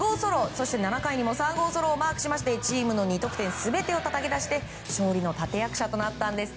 そして７回にも３号ソロをマークしましてチームの２得点全てをたたき出して勝利の立役者となったんです。